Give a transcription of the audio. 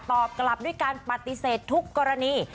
ตอบกลับด้วยการปฏิเสธทุกกรณี